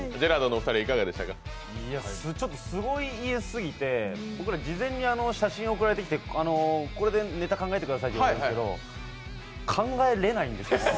すごい家すぎて僕ら、事前に写真送られてきてこれでネタ考えてくださいと言われたんですけど考えれないんですよ。